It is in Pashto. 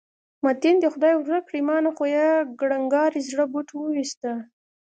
متین دې خدای ورک کړي، ما نه خو یې کړنګاري زړه بوټ وویست.